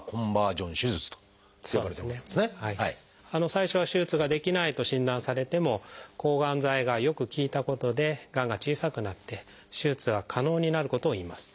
最初は手術ができないと診断されても抗がん剤がよく効いたことでがんが小さくなって手術が可能になることをいいます。